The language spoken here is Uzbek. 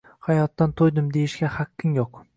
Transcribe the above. Hayotdan to`ydim, deyishga haqqing yo`q